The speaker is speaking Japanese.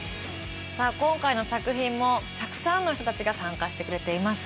さあ今回の作品もたくさんの人たちが参加してくれています。